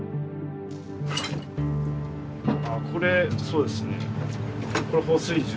これそうですね